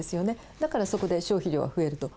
だからそこで消費量は増えると。